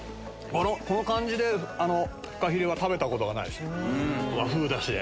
この感じでフカヒレは食べたことがない和風ダシで。